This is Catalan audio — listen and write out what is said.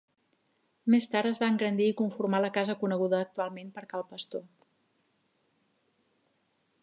Més tard es va engrandir i conformar la casa coneguda actualment per cal Pastor.